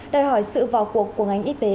đòi hỏi sự vào cuộc của ngành y tế